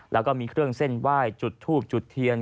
แล้วก็มีเครื่องเส้นไหว้จุดทูบจุดเทียน